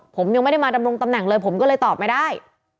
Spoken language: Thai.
ผมยังไม่ได้มาดำรงตำแหน่งเลยผมก็เลยตอบไม่ได้